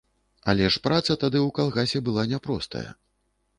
Але ж праца тады ў калгасе была няпростая.